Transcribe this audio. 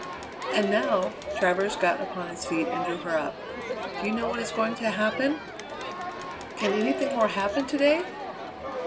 "And now," Travers got upon his feet and drew her up; "do you know what is going to happen?" "Can anything more happen to day?"